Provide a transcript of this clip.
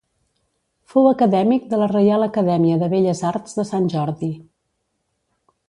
Fou acadèmic de la Reial Acadèmia de Belles Arts de Sant Jordi.